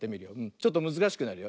ちょっとむずかしくなるよ。